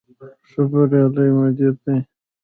ښه بریالی مدیر دی.